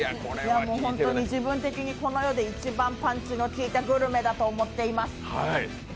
本当に自分的にこの世で一番パンチの効いたグルメだと思っています。